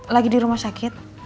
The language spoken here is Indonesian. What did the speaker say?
lagi di rumah sakit